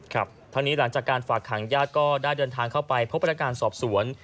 ครับทั้งนี้หลังจากการฝากขังญาติก็ได้เดินทางเข้าไปพบพนักงานสอบสวน